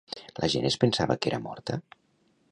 La gent es pensava que era morta?